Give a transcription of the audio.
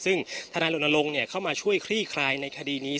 ซึ่งธนายรณรงค์เข้ามาช่วยคลี่คลายในคดีนี้